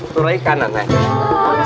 turai kanan naik